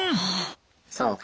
そう。